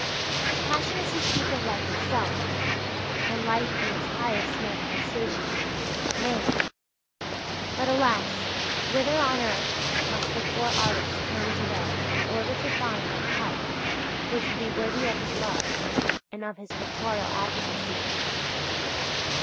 His passion is to speak of life itself, and life in its highest manifestation Man. But, alas, whither on earth must the poor artist turn to day in order to find that type which would be worthy of his love and of his pictorial advocacy?